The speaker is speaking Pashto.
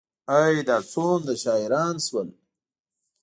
ای، دا څومره شاعران شول